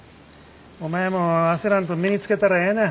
お前も焦らんと身につけたらええねん。